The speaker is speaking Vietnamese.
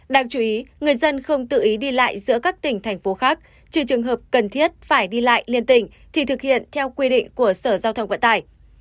đáng chú ý người dân không tự ý đi lại giữa các tỉnh thành phố khác trừ trường hợp cần thiết phải đi lại liên tỉnh thì thực hiện theo quy định của sở giao thông vận tải